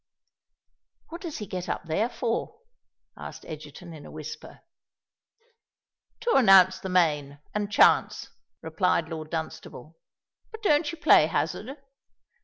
"What does he get up there for?" asked Egerton, in a whisper. "To announce the main and chance," replied Lord Dunstable. "But don't you play hazard?"